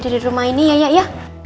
dari rumah ini ya ya ya